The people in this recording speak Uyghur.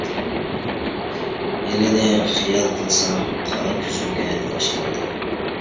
ئىلىنى خىيال قىلسام، قارا كۆزۈمگە ياش كەلدى.